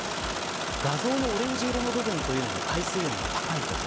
画像のオレンジ色の部分が海水温が高い所。